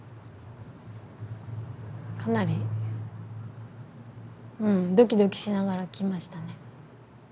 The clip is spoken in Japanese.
かなりドキドキしながら来ましたね。